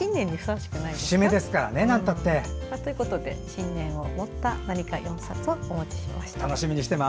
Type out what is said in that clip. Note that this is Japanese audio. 節目ですからね。ということで信念を持った４冊をお持ちしました。